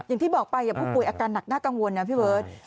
อย่างที่บอกไปผู้ป่วยอาการหนักน่ากังวลนะพี่เบิร์ต